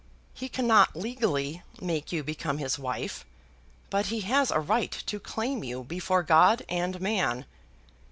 He cannot legally make you become his wife, but he has a right to claim you before God and man.